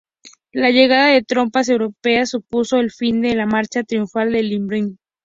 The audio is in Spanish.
La llegada de tropas europeas supuso el fin de la marcha triunfal de Ibrahim.